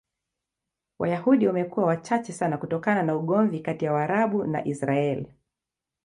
Wayahudi wamekuwa wachache sana kutokana na ugomvi kati ya Waarabu na Israel.